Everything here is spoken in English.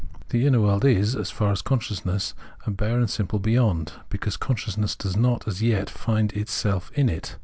The inner world is so far for consciousness a bare and simple beyond, because consciousness does not as yet find itself in it.